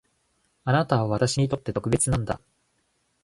あなたは私にとって特別なんだ